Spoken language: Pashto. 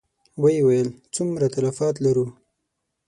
ويې ويل: څومره تلفات لرو؟